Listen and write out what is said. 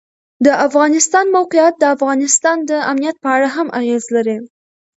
د افغانستان د موقعیت د افغانستان د امنیت په اړه هم اغېز لري.